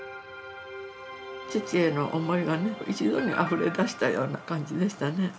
父への思いがね、一度にあふれ出したような感じでしたね。